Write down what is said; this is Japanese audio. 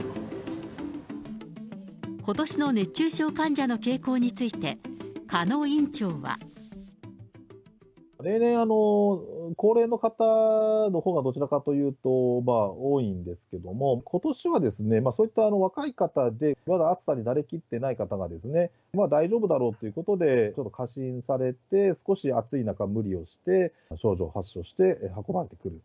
ことしの熱中症患者の傾向について、例年、高齢の方のほうがどちらかというと、多いんですけども、ことしは、そういった若い方で、まだ暑さに慣れきっていない方ですがね、大丈夫だろうということで、ちょっと過信されて、少し暑い中、無理をして、症状を発症して、運ばれてくる。